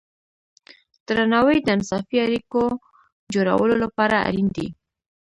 درناوی د انصافی اړیکو جوړولو لپاره اړین دی.